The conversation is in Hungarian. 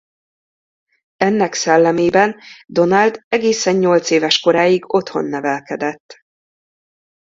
Ennek szellemében Donald egészen nyolcéves koráig otthon nevelkedett.